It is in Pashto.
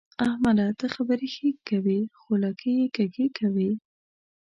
احمده! ته خبرې ښې کوې خو لکۍ يې کږې کوي.